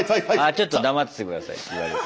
「あちょっと黙ってて下さい」って言われる。